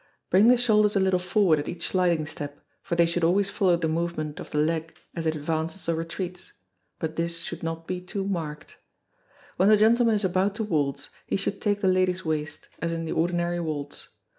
Bring the shoulders a little forward at each sliding step, for they should always follow the movement of the leg as it advances or retreats; but this should not be too marked. When the gentleman is about to waltz, he should take the lady's waist, as in the ordinary waltz.